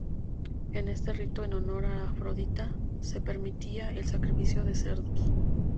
En este rito, en honor a Afrodita, se permitía el sacrificio de cerdos.